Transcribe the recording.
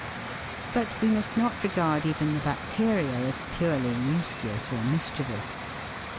But we must not regard even the bacteria as purely useless or mischievous.